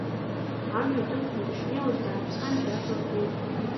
Амҩа дықәны дышнеиуаз, дааԥсан џьара длатәеит.